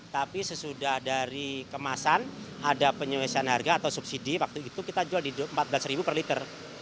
tapi sesudah dari kemasan ada penyelesaian harga atau subsidi waktu itu kita jual di rp empat belas per liter